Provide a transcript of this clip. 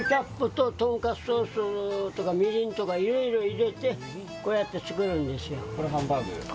とんかつソースとかみりんとか、いろいろ入れて、こうやって作るこれ、これハンバーグ。